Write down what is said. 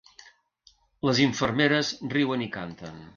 Les infermeres riuen i canten.